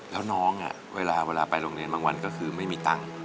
แล้วน้องเวลาไปโรงเรียนบางวันก็คือไม่มีตังค์